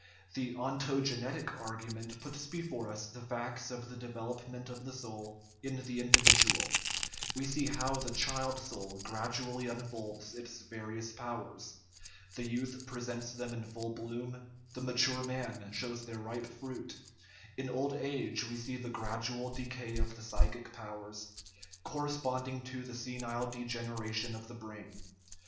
The ontogenetic argument puts before us the facts of the development of the soul in the individual ; we see how the child soul gradually unfolds its various powers; the youth presents them in full bloom, the mature man shows their ripe fruit; in old age we see the gradual decay of the psychic powers, corresponding to the senile 204 THE IMMORTALITY OF THE SOUL degeneration of the brain.